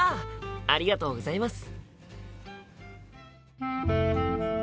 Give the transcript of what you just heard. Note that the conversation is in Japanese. ありがとうございます。